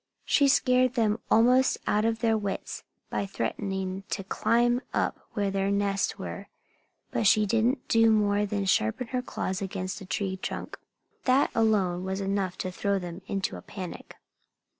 She scared them almost out of their wits by threatening to climb up where their nests were. But she didn't do more than sharpen her claws against a tree trunk. That alone was enough to throw them into a panic.